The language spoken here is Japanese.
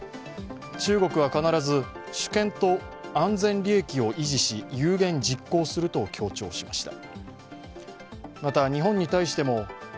中国は必ず主権と安全利益を維持し有言実行すると強調しました。